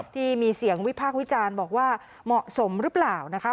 ที่มีเสียงวิพากษ์วิจารณ์บอกว่าเหมาะสมหรือเปล่านะคะ